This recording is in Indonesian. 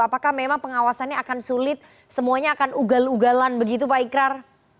apakah memang pengawasannya akan sulit semuanya akan ugal ugalan begitu pak ikrar